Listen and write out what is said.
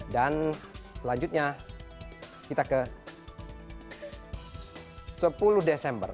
dan selanjutnya kita ke sepuluh desember